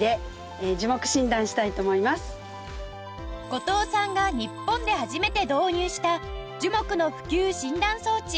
後藤さんが日本で初めて導入した樹木の腐朽診断装置